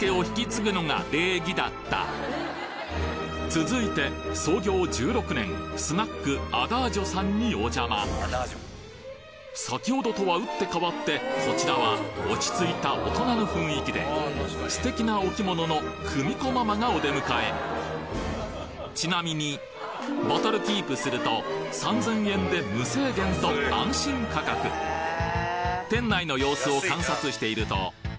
続いて創業１６年スナックＡｄａｇｉｏさんにお邪魔先ほどとは打って変わってこちらは落ち着いた大人の雰囲気で素敵なお着物の久美子ママがお出迎えちなみにボトルキープすると３，０００円で無制限と安心価格おっと！